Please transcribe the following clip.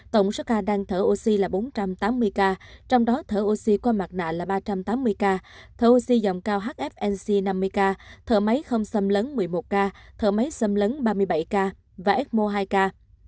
tổng số ca đang thở oxy là bốn trăm tám mươi ca trong đó thở oxy qua mặt nạ là ba trăm tám mươi ca thầu oxy dòng cao hfnc năm mươi ca thở máy không xâm lấn một mươi một ca thở máy xâm lấn ba mươi bảy ca và ecmo hai ca